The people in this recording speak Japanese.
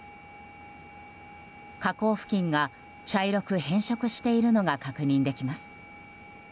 河口付近が茶色く変色しているのが確認できます。